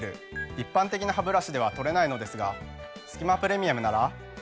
一般的なハブラシでは取れないのですがすき間プレミアムなら。